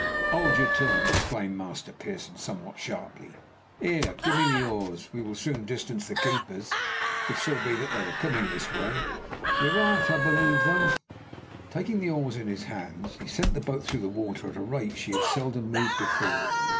"Hold your tongue!" exclaimed Master Pearson somewhat sharply. "Here, give me the oars; we will soon distance the keepers, if so be that they are coming this way. You're right, I believe, though." Taking the oars in his hands, he sent the boat through the water at a rate she had seldom moved before.